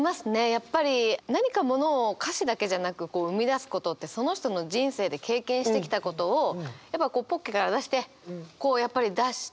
やっぱり何かものを歌詞だけじゃなく生み出すことってその人の人生で経験してきたことをすっごい